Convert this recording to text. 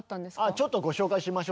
ちょっとご紹介しましょうかね。